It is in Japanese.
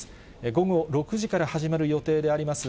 午後６時から始まる予定であります